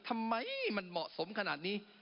ทำไมมันเหมาะสมขนาดนี้